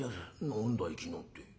「何だい昨日って。